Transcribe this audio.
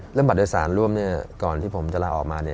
เรื่องบัตรโดยสารร่วมก่อนที่ผมจัดเราะออกมา